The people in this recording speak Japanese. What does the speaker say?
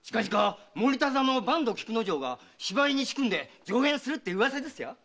森田座の板東菊之丞が芝居に仕組んで上演するって噂ですよ。